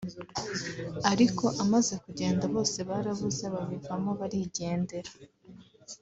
ariko amaze kugenda bose barabuze babivamo barigendera